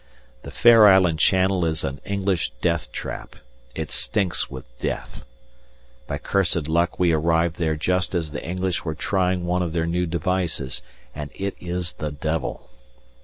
The Fair Island Channel is an English death trap; it stinks with death. By cursed luck we arrived there just as the English were trying one of their new devices, and it is the devil.